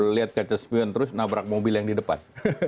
lihat kaca spion terus nabrak mobil yang di depan